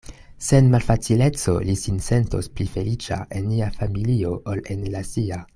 Sen malfacileco li sin sentos pli feliĉa en nia familio ol en la sia.